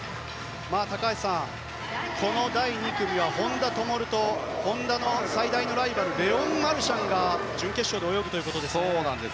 高橋さん、この第２組は本多灯と本多の最大のライバルレオン・マルシャンが準決勝で泳ぐということですね。